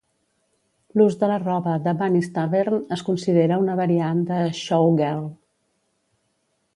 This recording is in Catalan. L'ús de la roba de Bunny's Tavern es considera una variant de Showgirl.